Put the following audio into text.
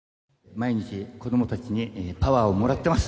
毎日子どもたちにパワーをもらってます。